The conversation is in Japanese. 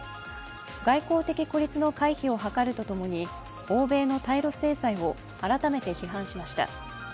外交的孤立の回避を図るとともに欧米の対ロ政策を改めて批判しました。